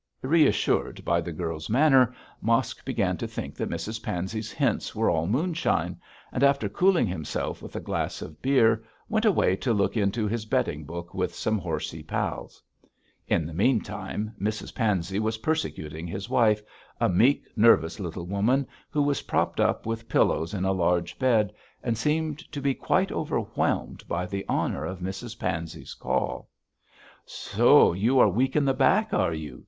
Reassured by the girl's manner, Mosk began to think that Mrs Pansey's hints were all moonshine, and after cooling himself with a glass of beer, went away to look into his betting book with some horsey pals. In the meantime, Mrs Pansey was persecuting his wife, a meek, nervous little woman, who was propped up with pillows in a large bed, and seemed to be quite overwhelmed by the honour of Mrs Pansey's call. 'So you are weak in the back, are you?'